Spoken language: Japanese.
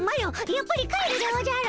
やっぱり帰るでおじゃる。